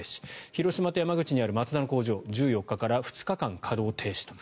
広島と山口にあるマツダの工場１４日から２日間稼働停止と。